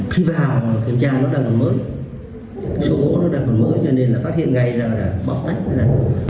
khi vào kiểm tra nó đang còn mới số gỗ nó đang còn mới cho nên là phát hiện ngay là bọc tách